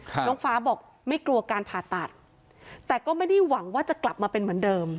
น้องฟ้าบอกไม่กลัวการผ่าตัดแต่ก็ไม่ได้หวังว่าจะกลับมาเป็นเหมือนเดิม